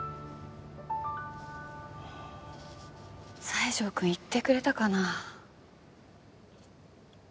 西条くん行ってくれたかな。